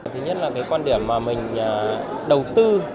thứ nhất là cái quan điểm mà mình đầu tư